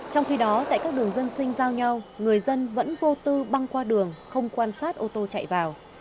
trong khi đó tại các đường dân sinh giao nhau người dân vẫn vô tư băng qua đường không quan sát ô tô chạy vào